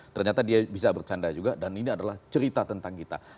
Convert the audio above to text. ternyata dia bisa bercanda juga dan ini adalah cerita tentang kita